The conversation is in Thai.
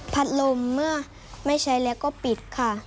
ลมเมื่อไม่ใช้แล้วก็ปิดค่ะ